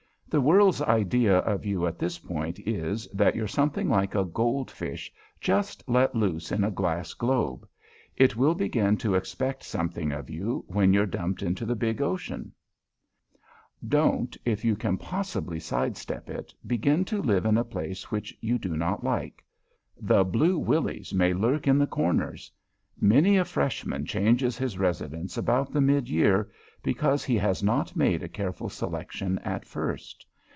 The World's idea of you at this point is, that you're something like a gold fish just let loose in a glass globe. It will begin to expect something of you when you're dumped into the big Ocean. [Sidenote: YOUR RESIDENCE] Don't, if you can possibly side step it, begin to live in a place which you do not like. The Blue Willies may lurk in the corners. Many a Freshman changes his residence about the mid year, because he has not made a careful selection at first.